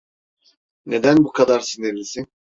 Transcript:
Neden bu kadar sinirlisin?